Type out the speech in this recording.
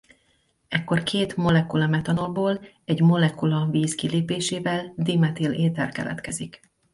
Ekkor két molekula metanolból egy molekula víz kilépésével dimetil-éter keletkezik.